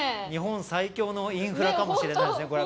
日本最強のインフラかもしれないですね